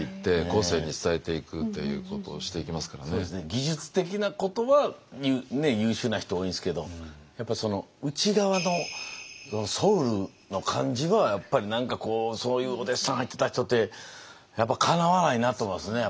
技術的なことは優秀な人多いんですけどやっぱその内側のソウルの感じはやっぱり何かこうそういうお弟子さん入ってた人ってやっぱかなわないなと思いますね。